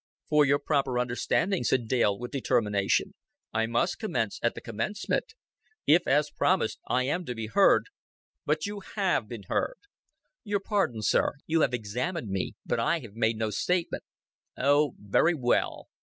"For your proper understanding," said Dale, with determination, "I must commence at the commencement. If, as promised, I am to be heard " "But you have been heard." "Your pardon, sir. You have examined me, but I have made no statement." "Oh, very well."